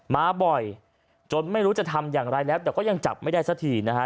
มาบ่อยจนไม่รู้จะทำอย่างไรแล้วแต่ก็ยังจับไม่ได้สักทีนะฮะ